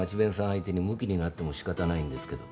相手にむきになっても仕方ないんですけど。